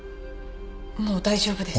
もう大丈夫です。